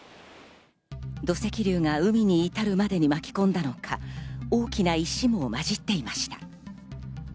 土石流が海に至るまでに巻き込んだのか、大きな石も混じっていました。